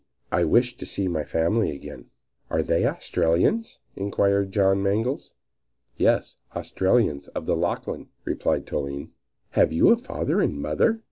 "I wished to see my family again." "Are they Australians?" inquired John Mangles. "Yes, Australians of the Lachlan," replied Toline. "Have you a father and mother?"